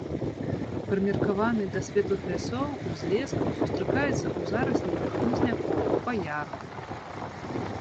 Прымеркаваны да светлых лясоў, узлескаў, сустракаецца ў зарасніках хмызнякоў, па ярам.